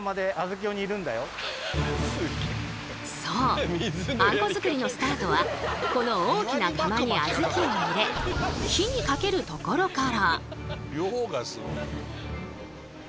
そうあんこ作りのスタートはこの大きな釜にあずきを入れ火にかけるところから。